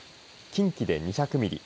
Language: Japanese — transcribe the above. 近畿で２００ミリ